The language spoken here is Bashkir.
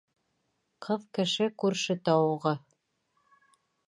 Ҡыҙ кеше күрше тауығы.